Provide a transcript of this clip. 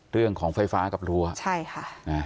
เรื่องของไฟฟ้ากับรั้วใช่ค่ะอ่า